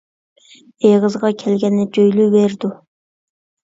ئېغىزىغا كەلگەننى جۆيلۈۋېرىدۇ.